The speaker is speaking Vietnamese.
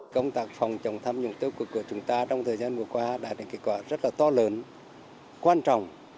công tác phòng chống tham nhũng tiêu cực của chúng ta trong thời gian vừa qua đã được kết quả rất là to lớn quan trọng